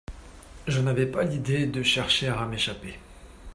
Je n'avais pas l'idée de chercher à m'échapper.